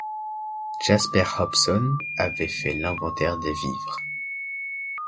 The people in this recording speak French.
Jasper Hobson avait fait l’inventaire des vivres.